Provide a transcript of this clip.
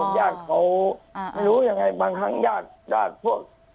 อยู่กับญาติเขารู้ยังไงบางครั้งญาติพวก